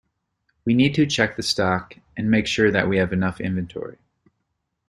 We need to check the stock, and make sure that we have enough inventory